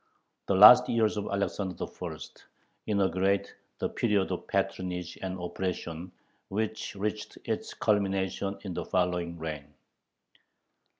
The last years of Alexander I. inaugurate the period of patronage and oppression, which reached its culmination in the following reign.